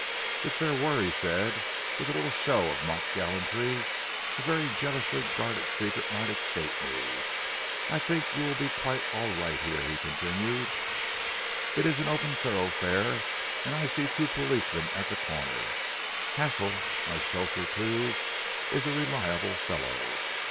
"If there were," he said, with a little show of mock gallantry, "a very jealously guarded secret might escape me. I think you will be quite all right here," he continued. "It is an open thoroughfare, and I see two policemen at the corner. Hassell, my chauffeur, too, is a reliable fellow.